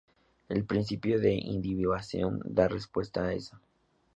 El principio de individuación da respuesta a eso.